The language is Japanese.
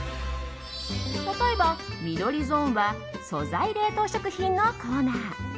例えば、緑ゾーンは素材冷凍食品のコーナー。